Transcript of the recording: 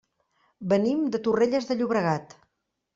Venim de Torrelles de Llobregat.